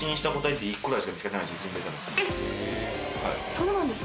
そうなんですか？